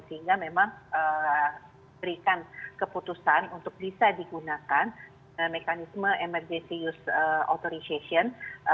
sehingga memang berikan keputusan untuk bisa digunakan mekanisme emergency use authorization